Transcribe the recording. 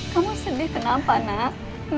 kamu sedih kenapa nak